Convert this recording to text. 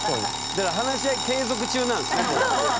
だから話し合い継続中なんですね。